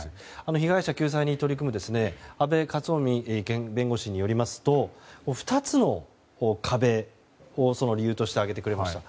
被害者救済に取り組む阿部克臣弁護士によりますと２つの壁を理由として挙げてくれました。